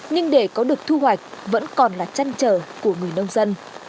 nhưng để có được thu hoạch vẫn còn là chăn trở của người nông dân